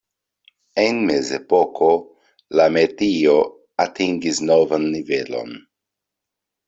En Mezepoko la metio atingis novan nivelon.